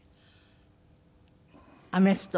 アメフト。